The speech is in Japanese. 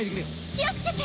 気を付けて！